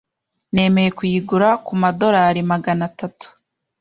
Nemeye kuyigura kumadorari magana atatu.